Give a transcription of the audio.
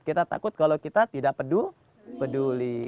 kita takut kalau kita tidak peduli peduli